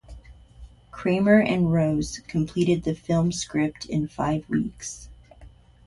Kramer and Rose completed the film script in five weeks.